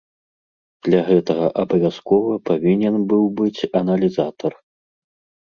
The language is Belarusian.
Для гэтага абавязкова павінен быў быць аналізатар.